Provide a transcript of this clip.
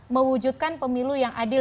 mewujudkan pemilu yang adil